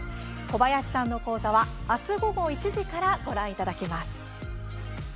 小林さんの講座はあす午後１時からご覧いただけます。